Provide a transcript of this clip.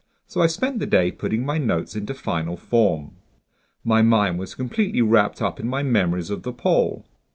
So I spent the day putting my notes into final form. My mind was completely wrapped up in my memories of the pole.